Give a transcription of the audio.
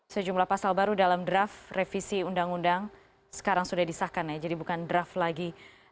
sejumlah pasal baru dalam draft revisi undang undang sekarang sudah disahkan ya jadi bukan draft lagi